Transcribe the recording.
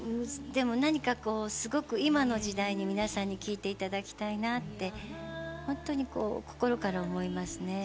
でも何か今の時代に皆さんに聴いていただきたいなって、本当に心から思いますね。